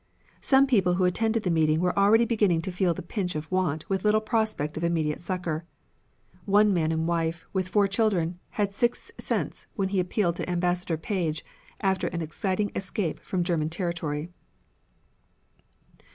Some people who attended the meeting were already beginning to feel the pinch of want with little prospects of immediate succor. One man and wife, with four children, had six cents when he appealed to Ambassador Page after an exciting escape from German territory.